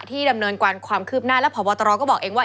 ดำเนินการความคืบหน้าและพบตรก็บอกเองว่า